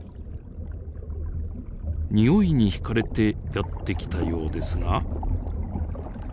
臭いに引かれてやって来たようですが。